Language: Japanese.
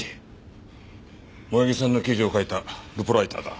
萌衣さんの記事を書いたルポライターだ。